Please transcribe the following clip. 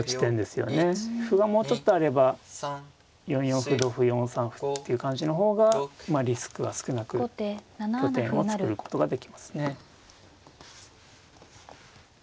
歩がもうちょっとあれば４四歩同歩４三歩っていう感じの方がリスクは少なく拠点を作ることができますね。